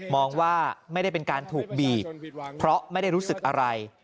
ว่าไม่ได้เป็นการถูกบีบเพราะไม่ได้รู้สึกอะไร